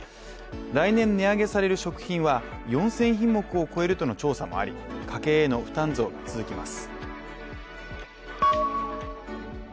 来年、値上げされる食品は４０００品目を超えるという調査もあり家計への負担増が続きます。